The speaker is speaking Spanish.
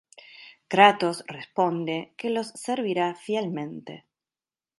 Kratos responde que los servirá fielmente.